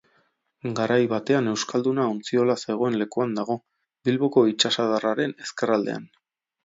Garai batean Euskalduna ontziola zegoen lekuan dago, Bilboko itsasadarraren Ezkerraldean.